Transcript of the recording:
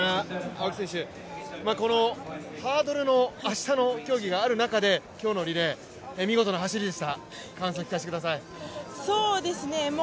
青木選手、ハードルの明日の競技がある中で今日のリレー、見事な走りでした、感想を聞かせてください。